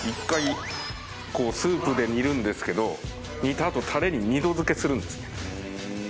１回スープで煮るんですけど煮た後たれに二度づけするんですね。